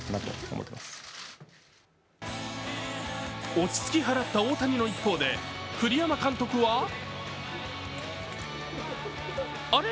落ち着き払った大谷の一方で栗山監督はあれ？